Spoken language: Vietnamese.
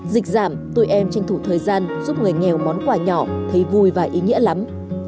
dịch giảm tụi em tranh thủ thời gian giúp người nghèo món quà nhỏ thấy vui và ý nghĩa lắm